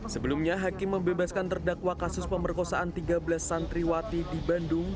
sebelumnya hakim membebaskan terdakwa kasus pemerkosaan tiga belas santriwati di bandung